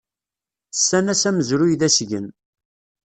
Ssan-as amezruy d asgen.